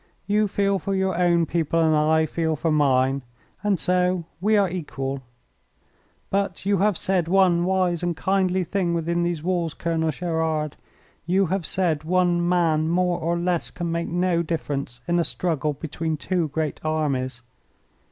"You feel for your own people and I feel for mine, and so we are equal. But you have said one wise and kindly thing within these walls, Colonel Gerard. You have said, 'One man more or less can make no difference in a struggle between two great armies.'